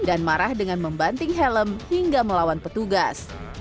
dan marah dengan membanting helm hingga melawan petugas